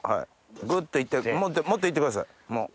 グッといってもっといってください。